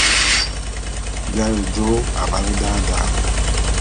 Bi aye jô avale da da.